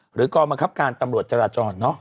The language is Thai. หรือกอบอังคับการตำรวจจราจรเนอะ